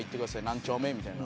何丁目」みたいな。